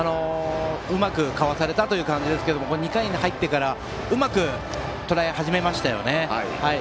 うまくかわされたという感じですが、２回に入ってからうまくとらえ始めましたよね。